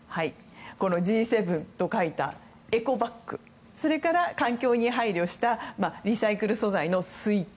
Ｇ７と書いたエコバッグそれから環境に配慮したリサイクル素材の水筒。